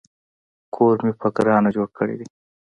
کور مې په ګرانه جوړ کړی دی